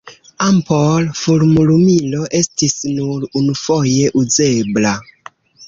Ampol-fulmlumilo estis nur unufoje uzebla.